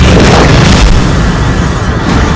terima kasih raden